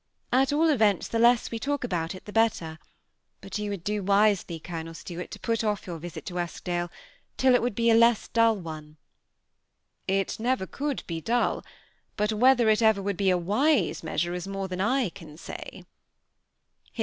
At all events, the less we talk about it the better ; but you would do wisely. Colonel Stuart, to put off your visit to Eskdale till it would be a less dull <Mie." '' It never could be dull ; but whether it ever would be a wise measure, is more than I can say."